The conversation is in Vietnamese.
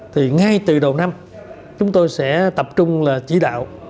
thì ngay từ đầu năm chúng tôi sẽ tập trung là chỉ đạo